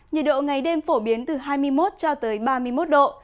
nhiệt độ ngày đêm phổ biến từ hai mươi một cho tới ba mươi một độ